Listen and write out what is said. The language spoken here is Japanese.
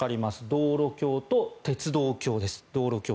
道路橋と鉄道橋です。